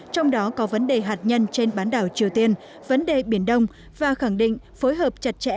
trong đó có vấn đề hạt nhân trên bán đảo triều tiên vấn đề biển đông và khẳng định phối hợp chặt chẽ